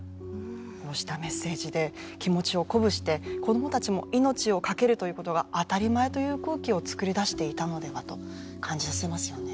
こうしたメッセージで気持ちを鼓舞して子どもたちも命をかけるということが当たり前という空気をつくり出していたのではと感じさせますよね